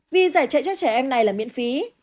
vì giải chạy cho trẻ em này là miễn phí